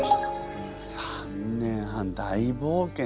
３年半大冒険だ。